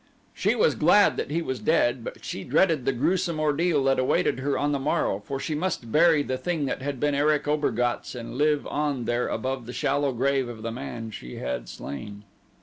She was glad that he was dead, but she dreaded the gruesome ordeal that awaited her on the morrow, for she must bury the thing that had been Erich Obergatz and live on there above the shallow grave of the man she had slain.